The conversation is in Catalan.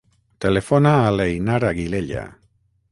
Telefona a l'Einar Aguilella.